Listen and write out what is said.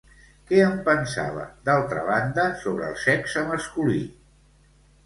Què en pensava, d'altra banda, sobre el sexe masculí?